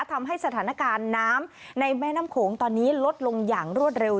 ทำให้สถานการณ์น้ำในแม่น้ำโขงตอนนี้ลดลงอย่างรวดเร็ว